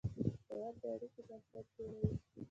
باور د اړیکې بنسټ جوړوي.